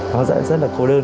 nó rất là cô đơn